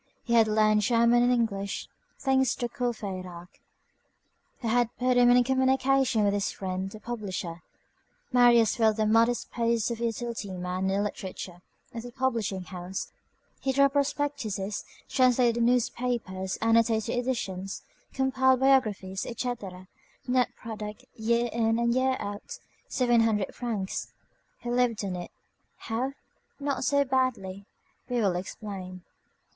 He had learned German and English; thanks to Courfeyrac, who had put him in communication with his friend the publisher, Marius filled the modest post of utility man in the literature of the publishing house. He drew up prospectuses, translated newspapers, annotated editions, compiled biographies, etc.; net product, year in and year out, seven hundred francs. He lived on it. How? Not so badly. We will explain.